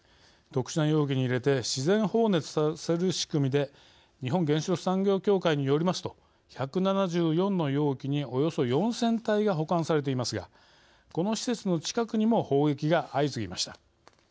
特殊な容器に入れて自然放熱させる仕組みで日本原子力産業協会によりますと１７４の容器におよそ４０００体が保管されていますがこの施設の近くにも砲撃が相次ぎました。